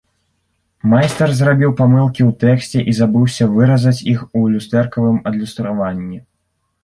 Майстар зрабіў памылкі ў тэксце і забыўся выразаць іх у люстэркавым адлюстраванні.